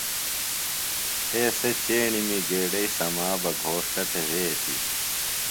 تھے سےۡ چیݨیمی گیڈئیۡ سما بہ گھوݜٹہ تھےۡ وھیتیۡ۔